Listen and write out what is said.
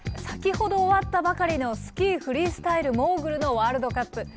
先ほど終わったばかりのスキーフリースタイルモーグルのワールドカップ。